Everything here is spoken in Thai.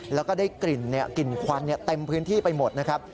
แล้วก็ได้กลิ่นควันเต็มพื้นที่ไปหมดนะครับ